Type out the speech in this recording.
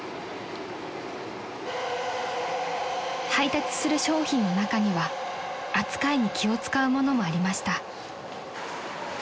［配達する商品の中には扱いに気を使うものもありました］